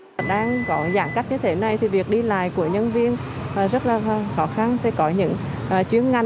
nếu đang có giãn cách như thế này thì việc đi lại của nhân viên rất là khó khăn có những chuyến